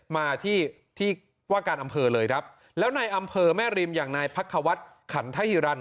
มาที่ที่ว่าการอำเภอเลยครับแล้วในอำเภอแม่ริมอย่างนายพักควัฒน์ขันทฮิรันดิ